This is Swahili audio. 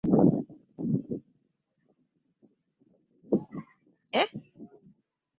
ukiwa ni miongoni mwa Mikoa thelathini na tatu ya sasa